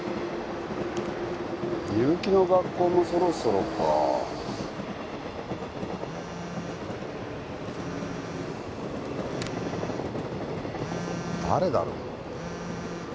みゆきの学校もそろそろか誰だろ？